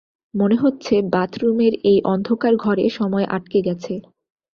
মনে হচ্ছে বাথরুমের এই অন্ধকার ঘরে সময় আটকে গেছে।